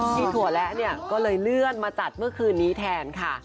ที่ถั่วและเนี่ยก็เลยเลื่อนมาจัดเมื่อคืนนี้แทนค่ะ